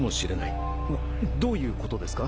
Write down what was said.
石崎）どういうことですか？